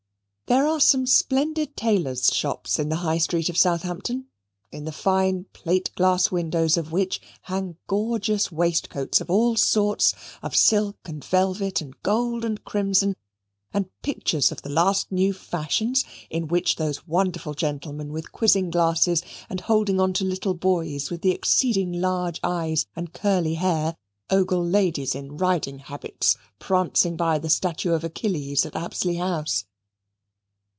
There are some splendid tailors' shops in the High Street of Southampton, in the fine plate glass windows of which hang gorgeous waistcoats of all sorts, of silk and velvet, and gold and crimson, and pictures of the last new fashions, in which those wonderful gentlemen with quizzing glasses, and holding on to little boys with the exceeding large eyes and curly hair, ogle ladies in riding habits prancing by the Statue of Achilles at Apsley House.